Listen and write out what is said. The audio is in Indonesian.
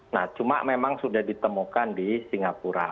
nah cuma memang sudah ditemukan di singapura